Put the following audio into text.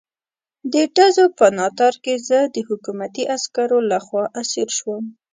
د ډزو په ناتار کې زه د حکومتي عسکرو لخوا اسیر شوم.